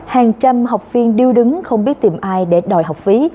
hàng trăm học viên điêu đứng không biết tìm ai để đòi học phí